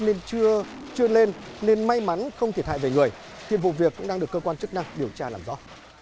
nên chưa lên nên may mắn không thể thại về người thì vụ việc cũng đang được cơ quan chức năng điều tra làm rõ